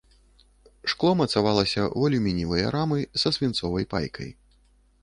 Шкло мацавалася ў алюмініевыя рамы са свінцовай пайкай.